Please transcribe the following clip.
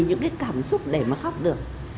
những cái cảm xúc để mà khóc được